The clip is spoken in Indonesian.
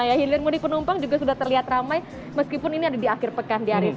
ya hilir mudik penumpang juga sudah terlihat ramai meskipun ini ada di akhir pekan di arief